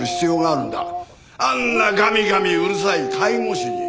あんなガミガミうるさい介護士に。